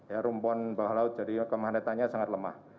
ya rumput bawah laut jadi kemahanetannya sangat lemah